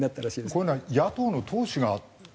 こういうのは野党の党首が。